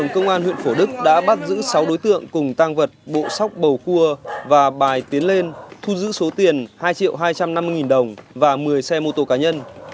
công an huyện phổ đức đã bắt giữ sáu đối tượng cùng tăng vật bộ sóc bầu cua và bài tiến lên thu giữ số tiền hai triệu hai trăm năm mươi nghìn đồng và một mươi xe mô tô cá nhân